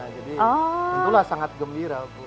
jadi itulah sangat gembira